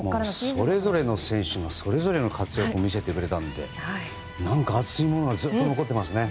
それぞれの選手がそれぞれの活躍を見せたので何か熱いものがずっと残ってますね。